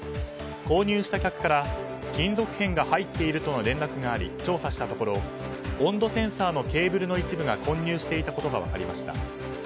購入した客から金属片が入っているとの連絡があり調査したところ温度センサーのケーブルの一部が混入していたことが分かりました。